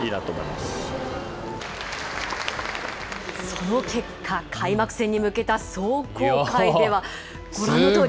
その結果、開幕戦に向けた壮行会では、ご覧のとおり。